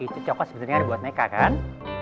itu coklat sebenernya ada buat meka kan